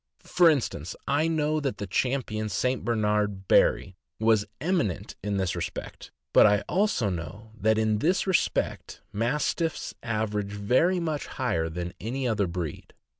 For instance, I know that the Champion St. Bernard Barry was eminent in this respect; but I also know that in this respect Mas tiffs average very much higher than any other breed.